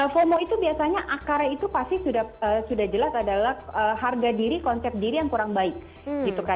fomo itu biasanya akarnya itu pasti sudah jelas adalah harga diri konsep diri yang kurang baik